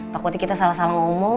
takuti kita salah salah ngomong